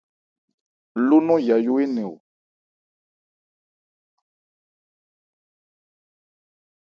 Ló nɔn yayó énɛn.